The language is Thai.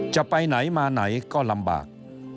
จะไปไหนมาไหนก็ลำบาก